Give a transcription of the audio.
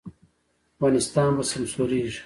افغانستان به سمسوریږي